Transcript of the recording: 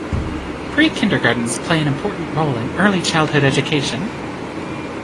Pre-kindergartens play an important role in early childhood education.